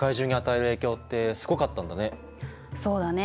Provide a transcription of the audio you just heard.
そうだね。